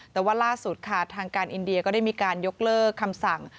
แต่ว่าล่าสุดค่ะทางการอินเดียก็ได้มีการยกเลิกคำสั่ง